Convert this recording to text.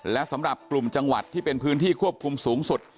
และสำหรับกลุ่มจังหวัดที่เป็นพื้นที่ควบคุมสูงสุด